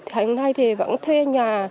hôm nay thì vẫn thuê nhà